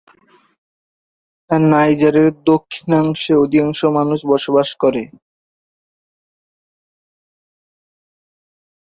নাইজারের দক্ষিণাংশে অধিকাংশ মানুষ বসবাস করে।